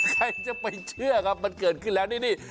ใครจะไปเชื่อครับมันเกิดขึ้นแล้วนี่